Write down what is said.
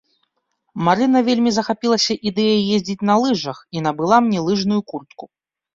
Марына вельмі захапілася ідэяй ездзіць на лыжах і набыла мне лыжную куртку.